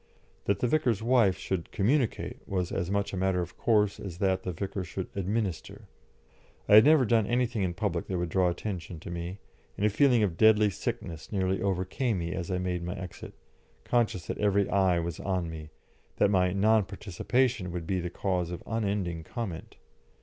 That the vicar's wife should "communicate" was as much a matter of course as that the vicar should "administer"; I had never done anything in public that would draw attention to me, and a feeling of deadly sickness nearly overcame me as I made my exit, conscious that every eye was on me, and that my non participation would be the cause of unending comment.